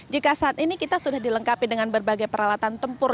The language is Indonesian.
jika saat ini kita sudah dilengkapi dengan berbagai peralatan tempur